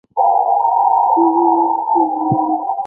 刻叶紫堇为罂粟科紫堇属下的一个种。